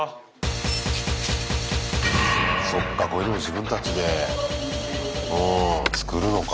そっかこういうの自分たちで作るのか。